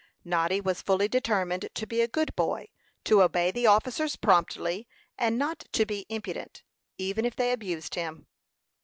Noddy was fully determined to be a good boy, to obey the officers promptly, and not to be impudent, even if they abused him.